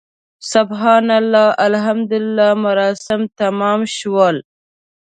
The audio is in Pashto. سبحان الله، الحمدلله مراسم تمام شول.